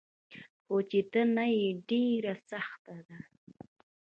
خو چي ته نه يي ډيره سخته ده